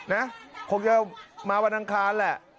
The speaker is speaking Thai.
นะคงจะมาวันอังคารแหละ